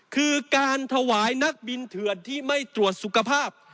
คือการถวายนักบินเถื่อนที่ไม่ตรวจสุขภาพ